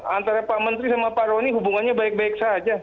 antara pak menteri sama pak roni hubungannya baik baik saja